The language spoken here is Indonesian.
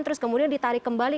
terus kemudian ditarik kembali